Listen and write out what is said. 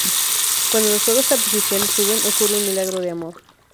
Cuando los fuegos artificiales suben, ocurre un milagro de amor...